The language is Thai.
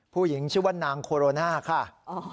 ผู้หญิงชื่อว่านางโคโรนาค่ะ